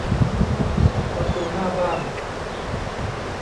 ประตูหน้าบ้าน